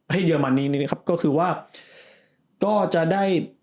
ปะเทศเยอร์มานีก็คือว่าก็จะได้